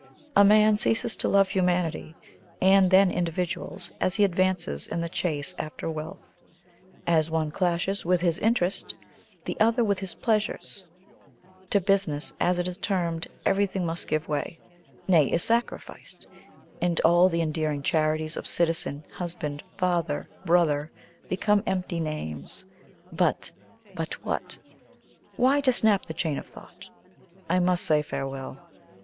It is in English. A man ceases to love humanity, and then individuals, as he advances in the chase after wealth; as one clashes with his interest, the other with his pleasures: to business, as it is termed, everything must give way; nay, is sacrificed, and all the endearing charities of citizen, husband, father, brother, become empty names. But but what? Why, to snap the chain of thought, I must say farewell.